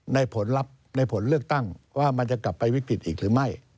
ผลลัพธ์ในผลเลือกตั้งว่ามันจะกลับไปวิกฤตอีกหรือไม่